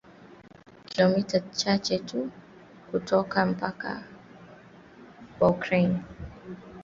kilomita chache tu kutoka mpaka wa Ukraine.